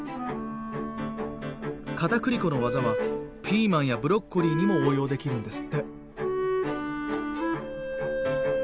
片栗粉の技はピーマンやブロッコリーにも応用できるんですって。